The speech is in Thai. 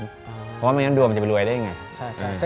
เพราะว่ามันอย่างนั้นดวงจะไปรวยได้ยังไง